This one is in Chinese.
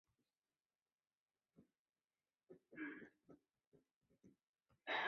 千万不要哭！